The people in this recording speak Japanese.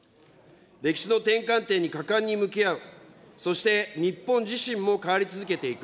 歴史の転換点に果敢に向き合う、そして日本自身も変わり続けていく。